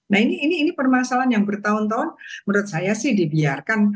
nah ini permasalahan yang bertahun tahun menurut saya sih dibiarkan